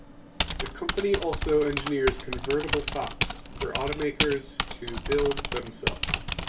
The company also engineers convertible tops for automakers to build themselves.